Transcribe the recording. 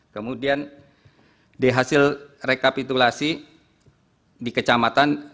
kemudian di hasil rekapitulasi di kecamatan